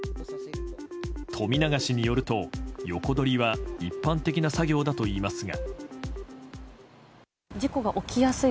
冨永氏によると横取りは一般的な作業だといいますが。